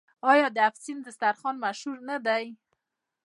آیا د هفت سین دسترخان مشهور نه دی؟